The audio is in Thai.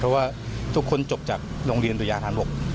เพราะว่าทุกคนจบจากโรงเรียนดุยาฐานบก